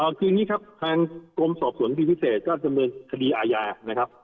คืออย่างนี้ครับทางกรมสอบสวนคดีพิเศษก็ดำเนินคดีอาญานะครับ